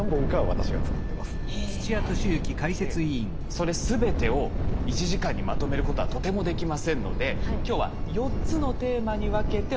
それ全てを１時間にまとめることはとてもできませんので今日は４つのテーマに分けてお伝えしていこうと思います。